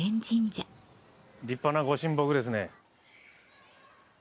立派なご神木ですね。